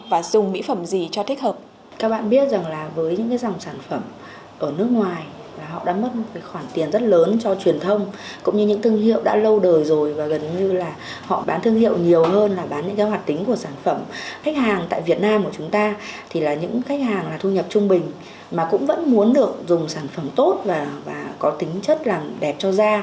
và dùng mỹ phẩm gì cho thích hợp